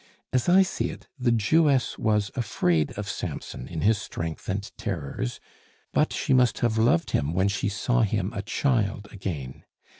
As I see it, the Jewess was afraid of Samson in his strength and terrors, but she must have loved him when she saw him a child again.